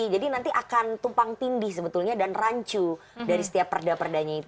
jadi nanti akan tumpang tindih sebetulnya dan rancu dari setiap perda perdanya itu